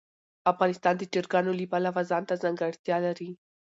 افغانستان د چرګانو له پلوه ځانته ځانګړتیا لري.